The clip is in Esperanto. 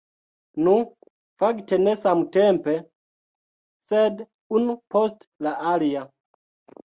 Nu, fakte ne samtempe, sed unu post la alia.